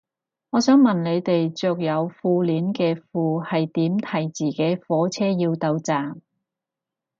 我想問你哋着有褲鏈嘅褲係點提自己火車要到站